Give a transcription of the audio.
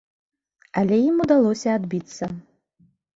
Але ім удалося адбіцца.